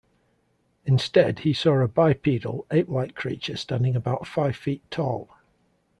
Instead, he saw a bipedal, ape-like creature standing about five feet tall.